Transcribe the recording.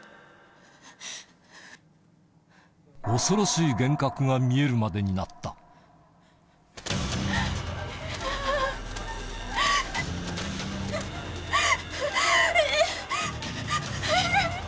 恐ろしい幻覚が見えるまでになったあぁ。